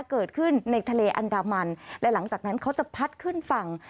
เกิดขึ้นในทะเลอันดามันและหลังจากนั้นเขาจะพัดขึ้นฝั่ง